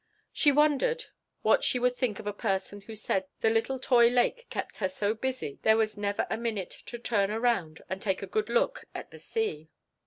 She wondered what she would think of a person who said the little toy lake kept her so busy there was never a minute to turn around and take a good look at the sea!